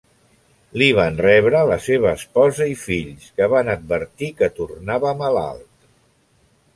Li van rebre la seva esposa i fills, que van advertir que tornava malalt.